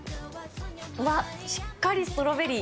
うわっ、しっかりストロベリー。